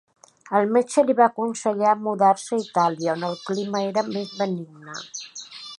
El metge li va aconsellar mudar-se a Itàlia, on el clima era més benigne.